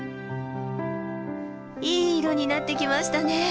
いい色になってきましたね。